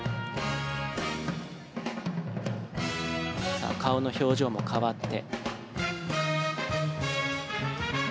さあ、顔の表情も変わって。